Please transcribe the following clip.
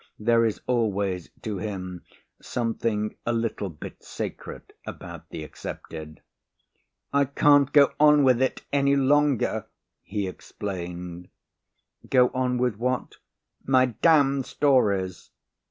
There is always, to him, something a little bit sacred about the accepted. "I can't go on with it any longer," he explained. "Go on with what?" "My damned stories."